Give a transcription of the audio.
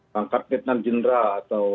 pangkat ketan jenderal atau